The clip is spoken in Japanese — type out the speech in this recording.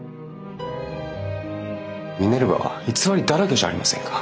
ミネルヴァは偽りだらけじゃありませんか。